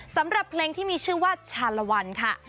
สำหรับเพลงที่มีชื่อว่าชาลวันค่ะ